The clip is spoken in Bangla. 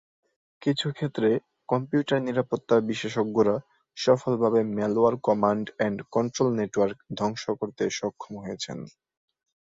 কিছু ক্ষেত্রে, কম্পিউটার নিরাপত্তা বিশেষজ্ঞরা সফলভাবে malware command and control network ধ্বংস করতে সক্ষম হয়েছেন।